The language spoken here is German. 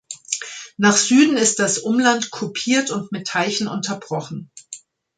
Nach Süden ist das Umland kupiert und mit Teichen unterbrochen.